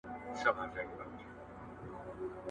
په دې لاپو هسی ځان کرارومه ,